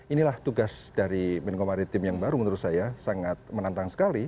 inilah tugas dari menko maritim yang baru menurut saya sangat menantang sekali